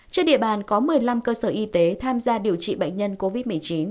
trên địa bàn có một mươi năm cơ sở y tế tham gia điều trị bệnh nhân covid một mươi chín